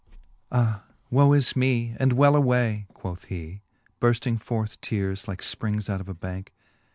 XV. Ah woe is me, and welt away, quoth hee, Burfting forth teares, like fprings out of a bankc.